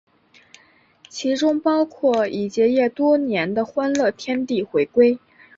当中包括已结业多年的欢乐天地回归。